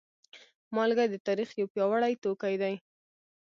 مالګه د تاریخ یو پیاوړی توکی دی.